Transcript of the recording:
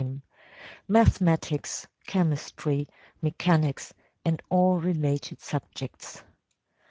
him, — mathe matics, chemistry, mechanics and all related subjects.